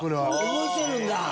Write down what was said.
覚えてるんだ。